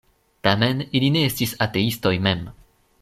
Tamen, ili ne estis ateistoj mem.